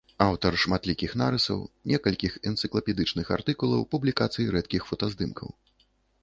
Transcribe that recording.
Аўтар шматлікіх нарысаў, некалькіх энцыклапедычных артыкулаў, публікацый рэдкіх фотаздымкаў.